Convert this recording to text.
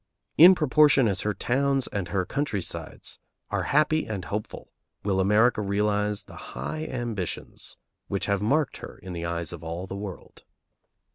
In proportion as her towns and her country sides are happy and hopeful will America realize the high ambitions which have marked her in the eyes of all the world.